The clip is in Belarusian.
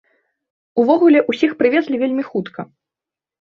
Увогуле ўсіх прывезлі вельмі хутка.